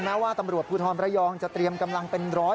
แม้ว่าตำรวจภูทรประยองจะเตรียมกำลังเป็นร้อย